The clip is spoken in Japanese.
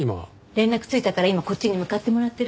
連絡ついたから今こっちに向かってもらってる。